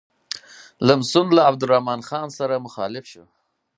لمسون له عبدالرحمن خان سره مخالف شو.